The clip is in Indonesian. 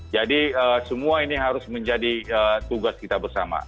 jadi semua ini harus menjadi tugas kita bersama